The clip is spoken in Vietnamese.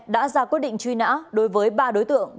đã ra quyết định truy nã đối với ba đối tượng